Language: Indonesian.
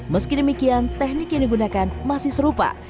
meski demikian teknik yang digunakan masih serupa